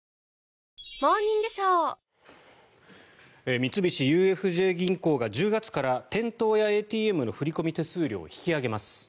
三菱ＵＦＪ銀行が１０月から店頭やＡＴＭの振込手数料を引き上げます。